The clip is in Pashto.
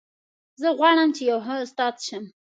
زه غواړم چې یو ښه استاد شم